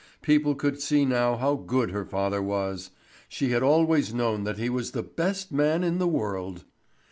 People could see now how good her father was! She had always known that he was the best man in the world.